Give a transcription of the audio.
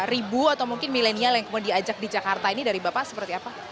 ribu atau mungkin milenial yang kemudian diajak di jakarta ini dari bapak seperti apa